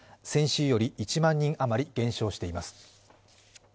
先週より１万人余り減少しています